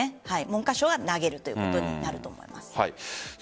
文科省が投げるということになると思います。